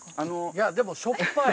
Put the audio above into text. いやでもしょっぱい。